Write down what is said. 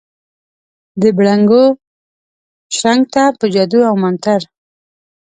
دبنګړو شرنګ ته ، په جادو اومنتر ،